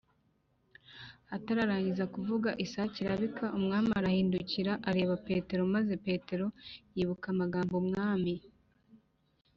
atararangiza kuvuga isake irabika Umwami arahindukira areba Petero maze Petero yibuka amagambo Umwami